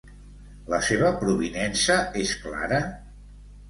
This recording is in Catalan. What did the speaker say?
La seva provinença és clara?